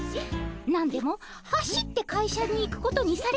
何でも走って会社に行くことにされたとか。